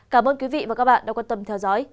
cảm ơn quý vị và các bạn đã quan tâm theo dõi